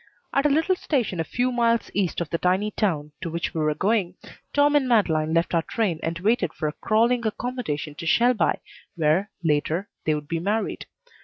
At a little station a few miles east of the tiny town to which we were going, Tom and Madeleine left our train and waited for a crawling accommodation to Shelby, where, later, they would be married.